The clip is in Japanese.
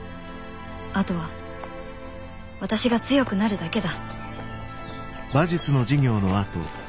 あとは私が強くなるだけだ